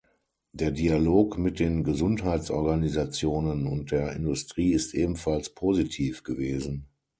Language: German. Der Dialog mit den Gesundheitsorganisationen und der Industrie ist ebenfalls positiv gewesen.